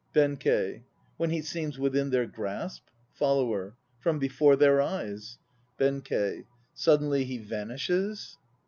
BENKEI. When he seems within their grasp FOLLOWER. From before their eyes BENKEI. Suddenly he vanishes.